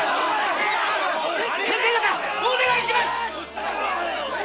先生方お願いします